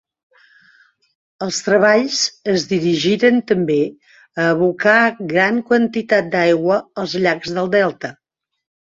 Els treballs es dirigiren també a abocar gran quantitat d'aigua als llacs del delta.